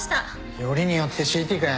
よりによって ＣＴ かよ